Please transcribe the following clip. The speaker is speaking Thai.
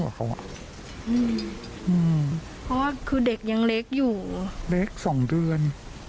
เล็ก๒เดือน